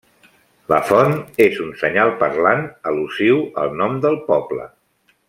La font és un senyal parlant al·lusiu al nom del poble.